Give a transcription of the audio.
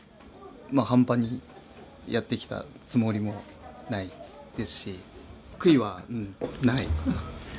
半端にやってきたつもりもないですし悔いはないないな。